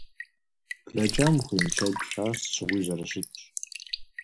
Блэкӏам ухуемыплъэкӏ, ар сыт щыгъуи зэрыщытщ.